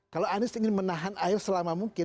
kalau anies ingin menahan air selama mungkin